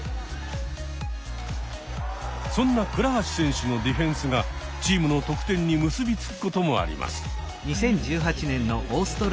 そんな倉橋選手のディフェンスがチームの得点に結び付くこともあります。